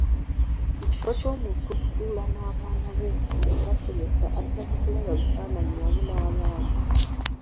Mu kifo ky'omuntu okutuula n'abaana be okubasomesa adda mu kulaba bifaanayi wamu n'abaana.